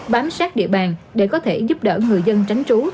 bám sát địa bàn để có thể giúp đỡ người dân tránh trú